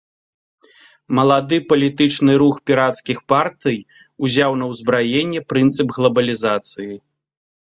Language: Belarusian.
Малады палітычны рух пірацкіх партый узяў на ўзбраенне прынцып глабалізацыі.